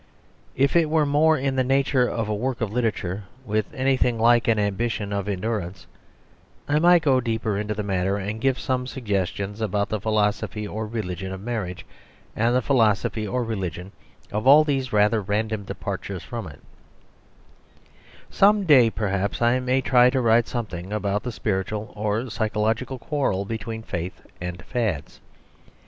If it were more in the nature of a work of literature, with anything like an ambition of endurance, I might go deeper into the matter, and give 147 148 The Superstition of Divorce some suggestions about the, philosophy or religion of marriage, and the philosophy or religion of all these rather random departures from it Some day perhaps I may try to write something about the spiritual or psychological quarrel between faith and fads.